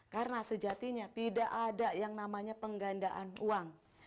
karena sejatinya tidak ada yang namanya penggandaan uang